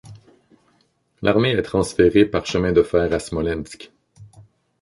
L'armée est transférée par chemin de fer à Smolensk.